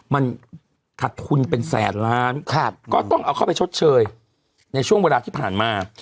มันขัดทุนเป็นแสนล้านก็ต้องเอาเข้าไปชดเชยในช่วงเวลาที่ผ่านมา